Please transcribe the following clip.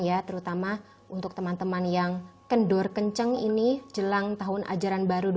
ya terutama untuk teman teman yang kendor kenceng ini jelang tahun ajaran baru dua ribu dua puluh